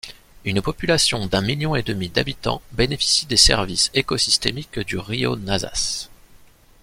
Une population d'un million et demi d'habitants bénéficie des services ecosystémiques du rio Nazas.